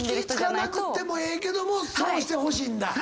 行き着かなくてもええけどもそうしてほしいんだ？